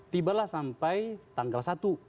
tibalah sampai tanggal satu